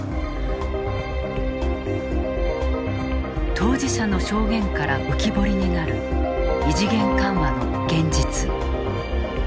当事者の証言から浮き彫りになる異次元緩和の現実。